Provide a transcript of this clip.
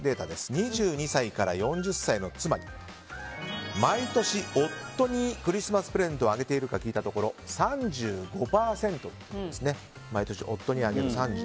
２２歳から４０歳の妻に毎年夫にクリスマスプレゼントをあげているか聞いたところ、３５％の方が毎年夫にあげる。